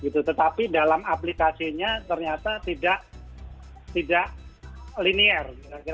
tetapi dalam aplikasinya ternyata tidak linier